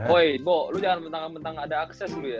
woy bo lu jangan bantang bantang ga ada akses lu ya